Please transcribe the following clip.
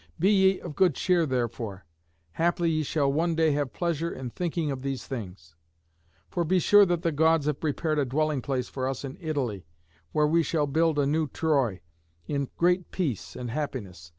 Be ye of good cheer therefore. Haply ye shall one day have pleasure in thinking of these things. For be sure that the Gods have prepared a dwelling place for us in Italy, where we shall build a new Troy, in great peace and happiness.